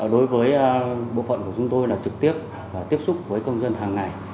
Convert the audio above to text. đối với bộ phận của chúng tôi là trực tiếp tiếp xúc với công dân hàng ngày